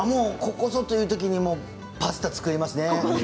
ここぞという時にパスタを作りますね。